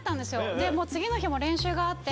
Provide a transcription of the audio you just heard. で次の日も練習があって。